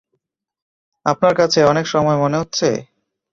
আপনার কাছে অনেক সময় মনে হচ্ছে?